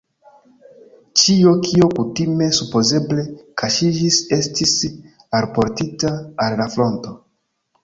Ĉio, kio kutime supozeble kaŝiĝis, estis alportita al la fronto.